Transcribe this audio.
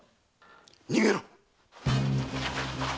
逃げろ！